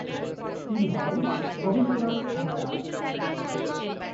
তিনি হলেন গোবিন্দদাস কবিরাজ।